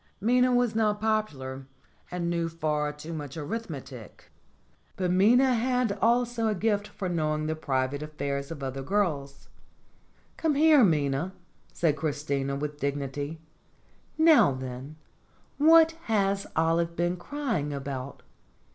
Minna was not popular, and knew far too much arithmetic; but Minna had CHRISLMISSIMA 125 also a gift for knowing the private affairs of other girls. "Come here, Minna," said Christina, with dignity. "Now, then, what has Olive been crying about?"